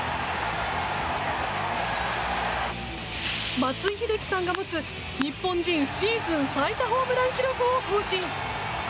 松井秀喜さんが持つ、日本人シーズン最多ホームラン記録を更新。